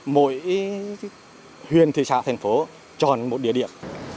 mỗi huyền thị xã thành phố tròn một địa điểm